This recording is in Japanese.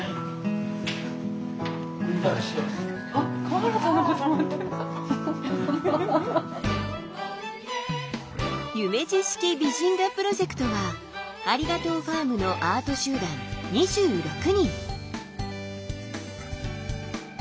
この方の夢二式美人画プロジェクトはありがとうファームのアート集団２６人。